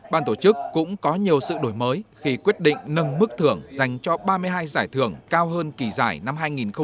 ban tổ chức cũng có nhiều sự đổi mới khi quyết định nâng mức thưởng dành cho ba mươi hai giải thưởng cao hơn kỳ giải năm hai nghìn một mươi tám